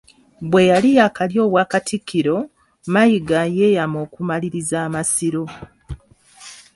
Bwe yali yaakalya Obwakatikkiro, Mayiga yeeyama okumaliriza Amasiro